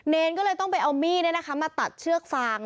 เนรก็เลยต้องไปเอามีดมาตัดเชือกฟาง